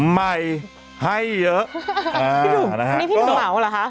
พี่หนุ่มนี่พี่มรัวหรอคะ